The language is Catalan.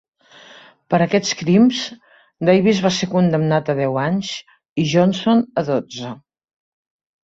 Per aquests crims, Davis va ser condemnat a deu anys i Johnson a dotze.